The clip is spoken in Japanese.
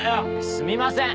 すみません。